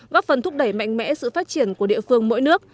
góp phần thúc đẩy mạnh mẽ sự phát triển của địa phương mỗi nước